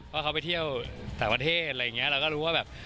ว่าเขาไปเที่ยวต่างประเทศอะไรอย่างนี้เราก็รู้ว่าแบบ